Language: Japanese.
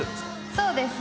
そうですね。